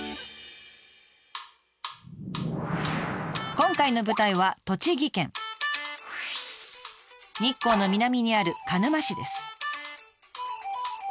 今回の舞台は栃木県日光の南にある鹿沼市です。